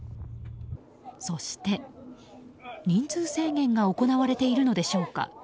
そして、人数制限が行われているのでしょうか。